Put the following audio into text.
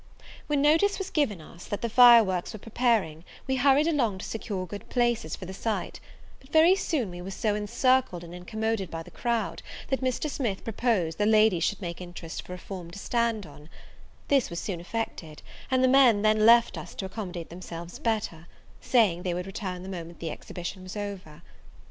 When notice was given us that the fire works were preparing we hurried along to secure good places for the sight; but very soon we were so encircled and incommoded by the crowd, that Mr. Smith proposed the ladies should make interest for a form to stand upon: this was soon effected: and the men then left us to accommodate themselves better; saying, they would return the moment the exhibition was over.